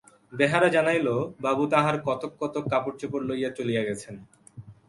বেহারা জানাইল–বাবু তাঁহার কতক-কতক কাপড়-চোপড় লইয়া চলিয়া গেছেন।